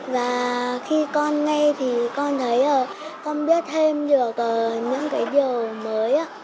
và khi con nghe thì con thấy con biết thêm được những cái điều mới